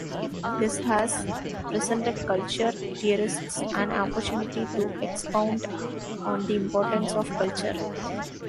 This has presented culture theorists an opportunity to expound on the importance of culture.